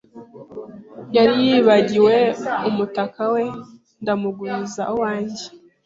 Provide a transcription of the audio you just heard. Yari yibagiwe umutaka we ndamuguriza uwanjye.